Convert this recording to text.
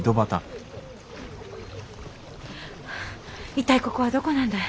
一体ここはどこなんだい？